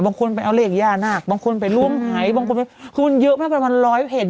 บางคนไปเอาเลขย่านาคบางคนไปล้วงหายบางคนไปคือมันเยอะมากประมาณร้อยแผ่น